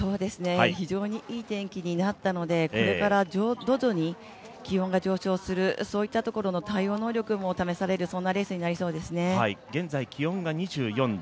非常にいい天気になったので、これから徐々に気温が上昇する、そういったところの対応能力が試される現在気温が２４度。